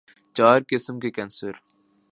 چار قسم کے کینسر